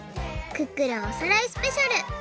クックルンおさらいスペシャル！」。